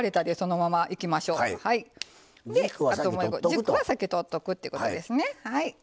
軸は先取っとくっていうことですね。